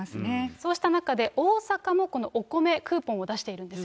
そうした中で、大阪もこのお米クーポンを出しているんですよね。